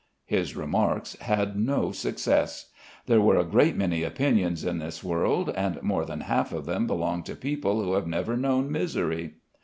His remarks had no success. There are a great many opinions in this world, and more than half of them belong to people who have never known misery.